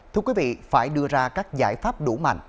thưa quý vị phải đưa ra các giải pháp đủ mạnh